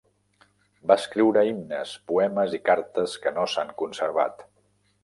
Va escriure himnes, poemes i cartes que no s'han conservat.